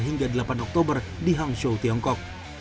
hingga delapan oktober di hangzhou tiongkok